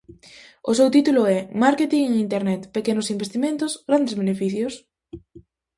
O seu título é: Márketing en Internet, pequenos investimentos, grandes beneficios.